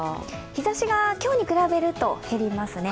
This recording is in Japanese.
日ざしが今日に比べると減りますね。